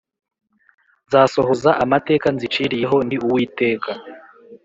nzasohoza amateka nziciriye ho Ndi Uwiteka